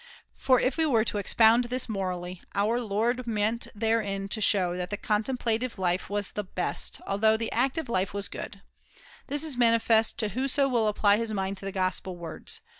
For if we would expound this morally, our Lord meant therein to show that the contemplative life was the best, although the active [no] life was good. This is manifest to whoso will apply his mind to the Gospel words.